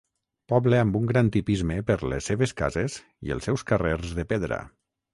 Poble amb un gran tipisme per les seves cases i els seus carrers de pedra.